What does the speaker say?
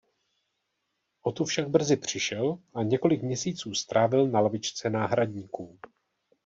O tu však brzy přišel a několik měsíců strávil na lavičce náhradníků.